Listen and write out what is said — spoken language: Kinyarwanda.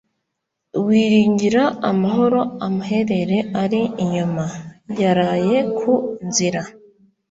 wiringira amahoro amaherere ari inyuma (yaraye ku nzira)